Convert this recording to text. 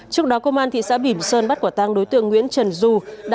trước đó công an thị xã bỉm sơn bắt quả tăng đối tượng nguyễn trần du